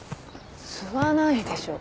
吸わないでしょ。